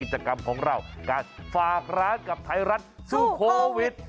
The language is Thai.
กิจกรรมของเราการฝากร้านกับไทยรัฐสู้โควิด